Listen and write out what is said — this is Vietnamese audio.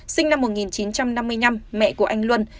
sinh năm một nghìn chín trăm năm mươi năm mẹ của anh luân